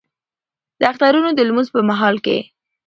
د اخترونو د لمونځ په مهال کې